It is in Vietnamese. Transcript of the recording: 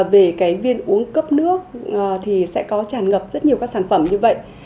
về cái viên uống cấp nước thì sẽ có tràn ngập rất nhiều các sản phẩm như vậy